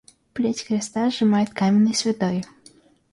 Плеть креста сжимает каменный святой.